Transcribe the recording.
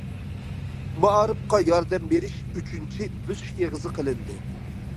مائارىپقا ياردەم بېرىش ئۈچىنچى‹‹ بۆسۈش ئېغىزى›› قىلىندى.